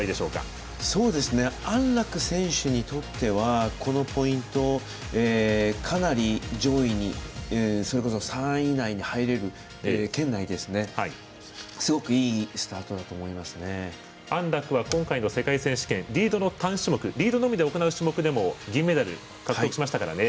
安楽選手にとってはこのポイントかなり、上位にそれこそ３位以内に入れる圏内ですね、すごく安楽は今回の世界選手権リードの単種目リードのみで行う種目でも銀メダル獲得しましたからね。